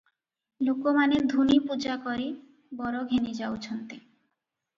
ଲୋକମାନେ ଧୂନି ପୂଜା କରି ବର ଘେନି ଯାଉଛନ୍ତି ।